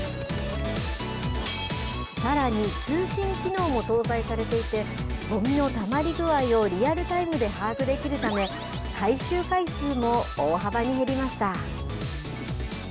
さらに、通信機能も搭載されていて、ごみのたまり具合をリアルタイムで把握できるため、回収回数も大幅に減りました。